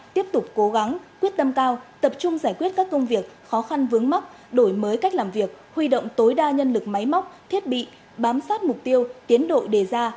tiếp tục cố gắng quyết tâm cao tập trung giải quyết các công việc khó khăn vướng mắc đổi mới cách làm việc huy động tối đa nhân lực máy móc thiết bị bám sát mục tiêu tiến độ đề ra